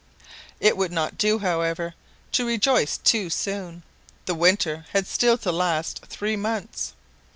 It would not do, however, to rejoice too soon. The winter had still to last three months.